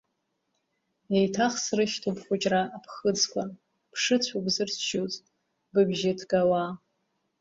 Еиҭах срышьҭоуп бхәыҷра аԥхыӡқәа, бшыцәоу бзырччоз быбжьы ҭгауа.